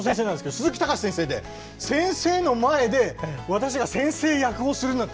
すずきたかし先生で先生の前で私が先生役をするなんてって。